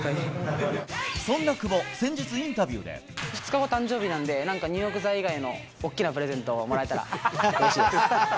そんな久保、先日、インタビ２日後、誕生日なんで、なんか入浴剤以外の大きなプレゼントもらえたらうれしいです。